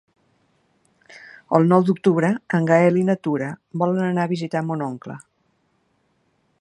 El nou d'octubre en Gaël i na Tura volen anar a visitar mon oncle.